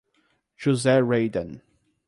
José Raydan